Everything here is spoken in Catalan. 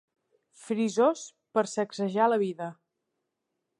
Frisós per sacsejar la vida.